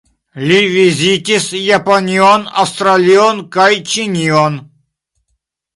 Li vizitis Japanion, Aŭstralion kaj Ĉinion.